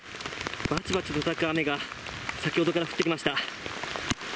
ばちばちとたたく雨が先ほどから降ってきました。